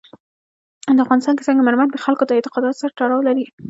په افغانستان کې سنگ مرمر د خلکو د اعتقاداتو سره تړاو لري.